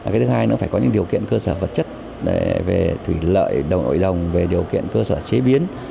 cái thứ hai nữa phải có những điều kiện cơ sở vật chất về thủy lợi đồng nội đồng về điều kiện cơ sở chế biến